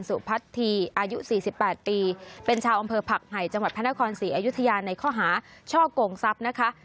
ศรีอยุธยาณายุทยาในข้อหาช่อโกงทรัพย์นะคะ